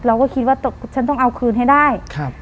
เราก็คิดว่าฉันต้องเอาคืนให้ได้